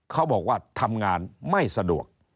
เขาบอกว่าทำงานไม่สะดวก